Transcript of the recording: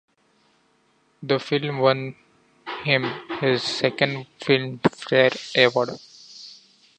The film won him his second Filmfare Award.